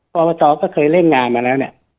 ปปชก็เคยเล่นงานมาแล้วเนี่ย